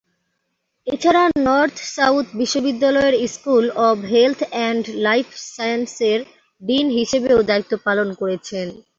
এছাড়া, north south বিশ্ববিদ্যালয়ের school of health and life সায়েন্সের ডিন হিসেবেও দায়িত্ব পালন করেছেন।